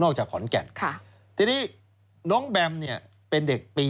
นอกจากขอนแก่นทีนี้น้องแบมเป็นเด็กปี๔